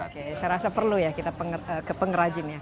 oke saya rasa perlu ya kita ke pengrajin ya